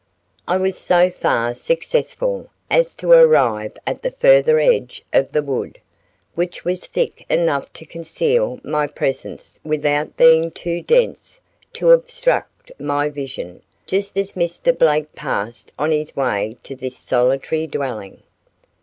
I was so far successful as to arrive at the further edge of the wood, which was thick enough to conceal my presence without being too dense to obstruct my vision, just as Mr. Blake passed on his way to this solitary dwelling.